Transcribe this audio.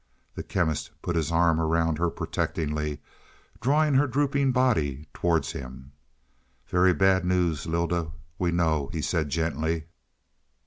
The Chemist put his arm around her protectingly, drawing her drooping body towards him. "Very bad news, Lylda, we know," he said gently.